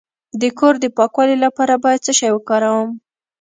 د کور د پاکوالي لپاره باید څه شی وکاروم؟